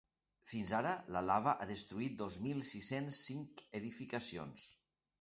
Fins ara la lava ha destruït dos mil sis-cents cinc edificacions.